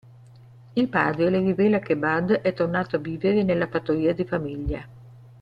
Il padre le rivela che Bud è tornato a vivere nella fattoria di famiglia.